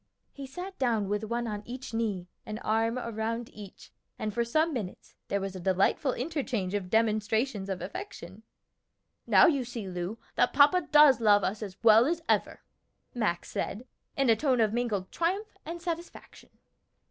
He sat down with one on each knee, an arm around each, and for some minutes there was a delightful interchange of demonstrations of affection. "Now you see, Lu, that papa does love us as well as ever," Max said, in a tone of mingled triumph and satisfaction.